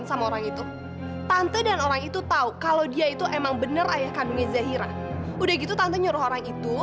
sampai jumpa di video selanjutnya